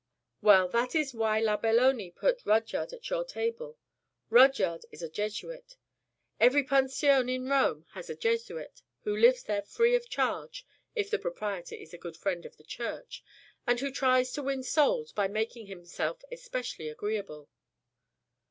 "Well, that is why la Belloni put Rudyard at your table. Rudyard is a Jesuit. Every pension in Rome has a Jesuit who lives there free of charge, if the proprietor is a good friend of the Church, and who tries to win souls by making himself especially agreeable."